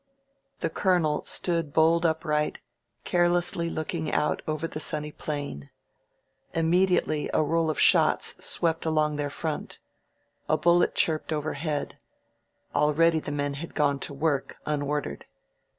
The Colonel stood bolt upright, carelessly looking out over the sunny plain. Immediately a roll of shots swept along their front. A bullet chirped overhead. Already the men had gone to work, unordered.